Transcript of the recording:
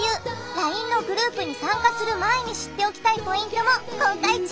ＬＩＮＥのグループに参加する前に知っておきたいポイントも公開中